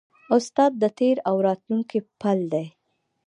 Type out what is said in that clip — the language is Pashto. استاد د تېر او راتلونکي پل دی.